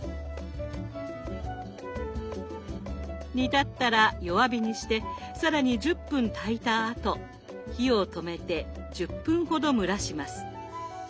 煮立ったら弱火にして更に１０分炊いたあと火を止めて１０分ほど蒸らします。